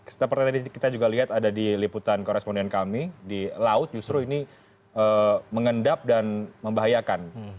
seperti tadi kita juga lihat ada di liputan koresponden kami di laut justru ini mengendap dan membahayakan